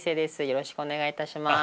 よろしくお願いします。